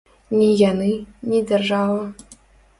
Ні яны, ні дзяржава.